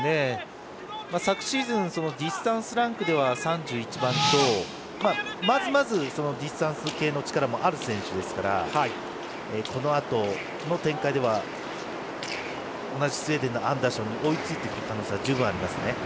昨シーズンディスタンスランクでは３１番と、まずまずディスタンス系の力もある選手ですからこのあとの展開では同じスウェーデンのアンダーションに追いついていく可能性は十分にありますね。